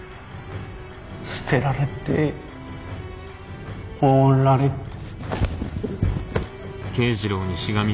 捨てられてほうられて。